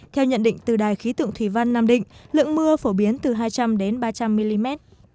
theo nhận định từ đài khí tượng thủy văn nam định lượng mưa phổ biến từ hai trăm linh đến ba trăm linh mm